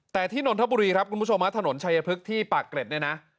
แต่ที่นนทบุรีครับคุณผู้ชมถนนชัยพฤกษ์ที่ปากเกร็ดเนี่ยนะ